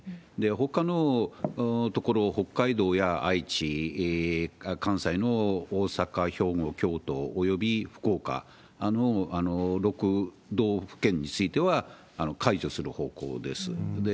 ほかの所、北海道や愛知、関西の大阪、兵庫、京都、および福岡の６道府県については、解除する方向です。